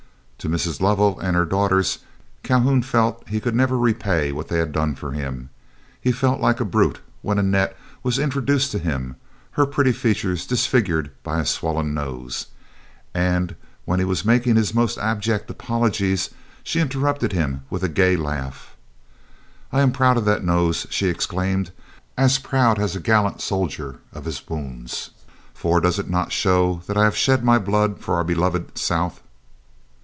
To Mrs. Lovell and her daughters Calhoun felt he could never repay what they had done for him. He felt like a brute, when Annette was introduced to him, her pretty features disfigured by a swollen nose, and when he was making his most abject apologies, she interrupted him with a gay laugh. "I am proud of that nose!" she exclaimed; "as proud as a gallant soldier of his wounds, for does it not show that I have shed my blood for our beloved South?"